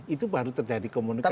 itu baru terjadi komunikasi